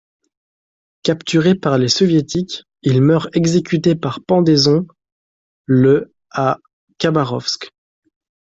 Capturé par les Soviétiques, il meurt exécuté par pendaison le à Khabarovsk.